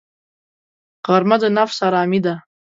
غرمه د نفس آرامي ده